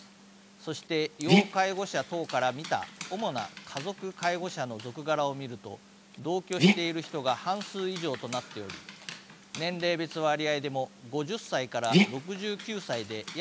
そして要介護者等から見た主な家族介護者の続柄を見ると同居している人が半数以上となっており年齢別割合でも５０歳６９歳で約半数を占めています。